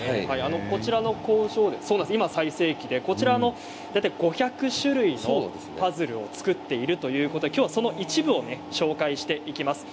こちらの工場大体５００種類のパズルを作っているということできょうは、その一部を紹介していきます。